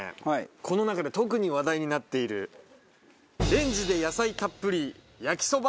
この中で特に話題になっているレンジで野菜たっぷり焼そばです。